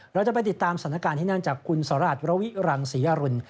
เราจะไปติดตามสถานการณ์ที่นั่นจากคุณสราชระวิรังศรีอรุณ